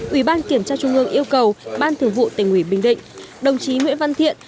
ủy ban kiểm tra trung ương yêu cầu ban thường vụ tỉnh ủy bình định đồng chí nguyễn văn thiện